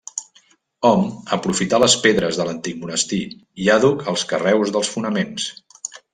Hom aprofità les pedres de l'antic monestir i àdhuc els carreus dels fonaments.